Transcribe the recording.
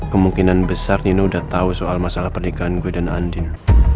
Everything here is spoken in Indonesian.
kemungkinan besar nino udah tahu soal masalah pernikahan gue dan andin